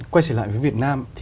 quay trở lại với việt nam